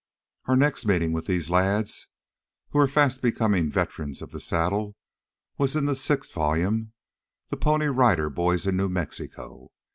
Our next meeting with these lads, who were fast becoming veterans of the saddle, was in the sixth volume, "The Pony Rider Boys in New Mexico."